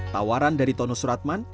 tawaran dari tonus suratman